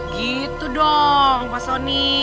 gitu dong pak sony